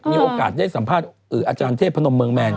มีโอกาสได้สัมภาษณ์อาจารย์เทพนมเมืองแมน